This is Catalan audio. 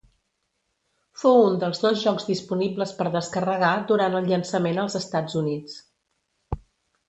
Fou un dels dos jocs disponibles per descarregar, durant el llançament als Estats Units.